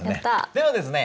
ではですね